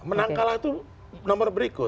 menang kalah itu nomor berikut